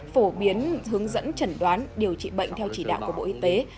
phổ biến hướng dẫn chẩn đoán điều trị bệnh theo chỉ đạo của bộ y tế